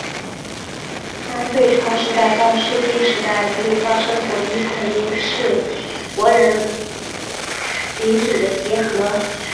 南北朝时代到室町时代屡屡发生的国一揆就是国人领主的结合。